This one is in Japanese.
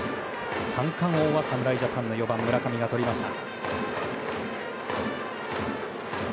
三冠王は侍ジャパンの４番、村上がとりました。